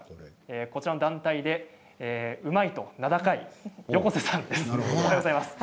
こちらの団体でうまいと名高い横瀬さんです。